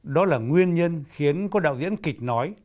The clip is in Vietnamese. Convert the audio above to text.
đó là nguyên nhân khiến có đạo diễn kịch nói